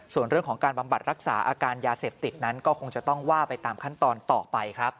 ส่วนเรื่องของการบำบัดรักษาอาการยาเสพติดนั้นก็คงจะต้องว่าไปตามขั้นตอนต่อไปครับ